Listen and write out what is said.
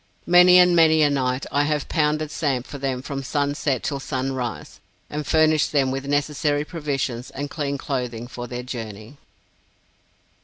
Many and many a night I have pounded samp for them from sun set till sun rise, and furnished them with necessary provision and clean clothing for their journey.